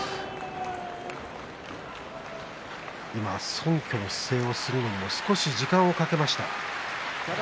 そんきょの姿勢をするのにも少し時間をかけました。